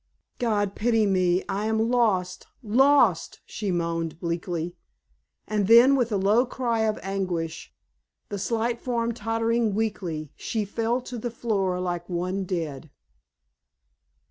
"God pity me, I am lost lost!" she moaned, bleakly. And then with a low cry of anguish, the slight form tottering weakly, she fell to the floor like one dead.